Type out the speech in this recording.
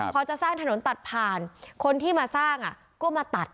พอจะสร้างถนนตัดผ่านคนที่มาสร้างก็มาตัด